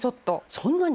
そんなに！？